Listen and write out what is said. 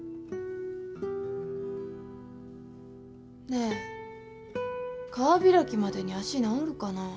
ねえ川開きまでに脚治るかなあ。